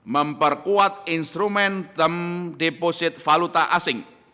memperkuat instrumen temp deposit faluta asing